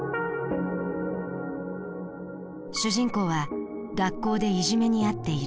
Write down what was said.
主人公は学校でいじめに遭っている。